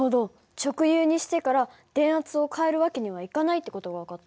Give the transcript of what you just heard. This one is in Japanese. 直流にしてから電圧を変える訳にはいかないって事が分かった。